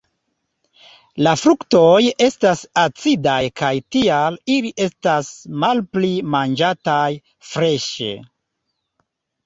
La fruktoj estas acidaj kaj tial ili estas malpli manĝataj freŝe.